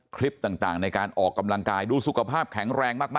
คลิปต่างในการออกกำลังกายดูสุขภาพแข็งแรงมาก